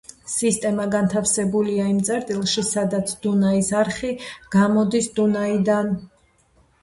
სისტემა განთავსებულია იმ წერტილში სადაც დუნაის არხი გამოდის დუნაიდან.